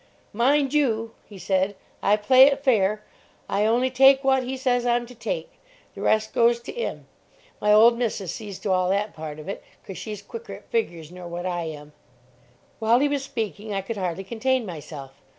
"Mind you," he said, "I play it fair. I only take wot he says I'm to take. The rest goes to 'im. My old missus sees to all that part of it 'cos she's quicker at figures nor wot I am." While he was speaking, I could hardly contain myself.